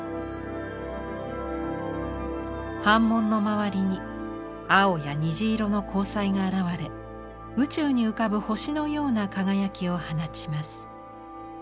斑紋の周りに青や虹色の光彩が現れ宇宙に浮かぶ星のような輝きを放ちます。